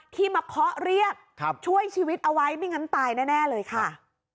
ที่มาเคาะเรียกช่วยชีวิตเอาไว้ไม่งั้นตายแน่เลยค่ะ